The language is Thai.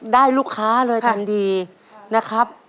ได้ลูกค้าเลยทำดีนะครับ